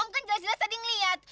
om kan jelas jelas tadi ngeliat